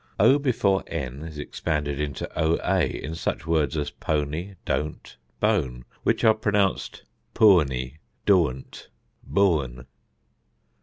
o before n is expanded into oa in such words as pony, dont, bone; which are pronounced pȯȧny, dȯȧnt, bȯȧn.